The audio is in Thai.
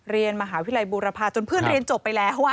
เรียนมหาวิทยาลัยบูรพาจนเพื่อนเรียนจบไปแล้ว